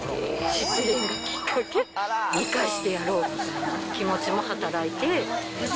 失恋がきっかけ、見返してやろうっていう気持ちも働いて。